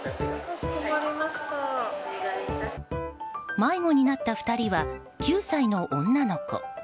迷子になった２人は９歳の女の子。